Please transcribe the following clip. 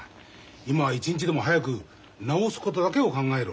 今は一日でも早く治すことだけを考えろ。